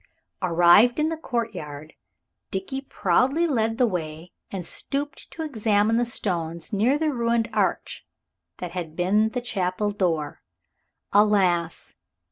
Arrived in the courtyard, Dickie proudly led the way and stooped to examine the stones near the ruined arch that had been the chapel door. Alas!